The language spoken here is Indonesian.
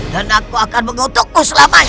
dan aku akan mengutukmu selamanya